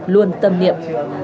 luôn tâm niệm